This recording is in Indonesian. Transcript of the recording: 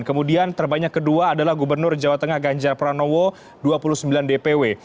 kemudian terbanyak kedua adalah gubernur jawa tengah ganjar pranowo dua puluh sembilan dpw